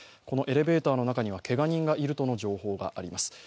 このエレベーターの中には、けが人がいるとの情報があります。